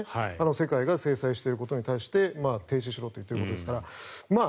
世界が制裁をしていることに対して停止しろと言ってるわけですから。